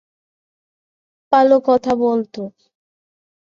ভালো কথা বলত।